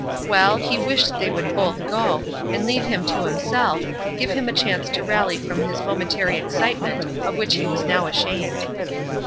Well, he wished they would both go, and leave him to himself; give him a chance to rally from his momentary excitement, of which he was now ashamed.